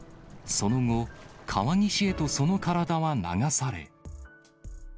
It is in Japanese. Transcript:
その後、川岸へとその体は流され。